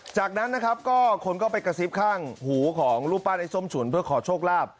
จากนั้นนะครับก็คนก็ไปกระซิบข้างหูของรูปปั้นไอ้ส้มฉุนเพื่อขอโชคลาภ